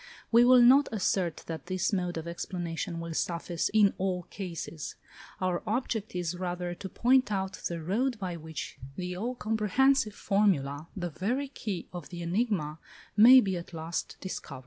We will not assert that this mode of explanation will suffice in all cases; our object is rather to point out the road by which the all comprehensive formula, the very key of the enigma, may be at last discovered.